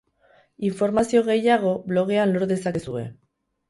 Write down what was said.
Informazio gehiago blogean lor dezakezue.